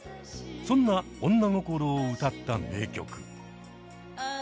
そんな女心を歌った名曲。